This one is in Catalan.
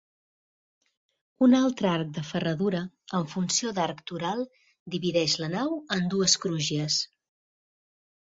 Un altre arc de ferradura, en funció d'arc toral, divideix la nau en dues crugies.